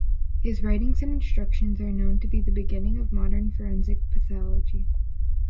His writings and instructions are known to be the beginning of modern forensic pathology.